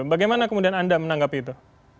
bagaimana kemudian anda menanggapi itu